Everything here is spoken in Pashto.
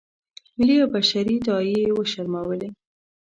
ملي او بشري داعیې یې وشرمولې.